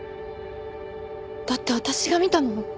だって私が見たのは。